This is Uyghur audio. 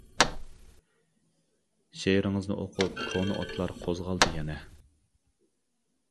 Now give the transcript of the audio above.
شېئىرىڭىزنى ئوقۇپ كونا ئوتلار قوزغالدى يەنە.